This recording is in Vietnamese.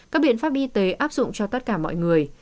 các biện pháp y tế áp dụng cho tất cả mọi người